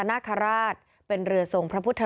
ในเวลาเดิมคือ๑๕นาทีครับ